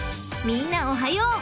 ［みんなおはよう。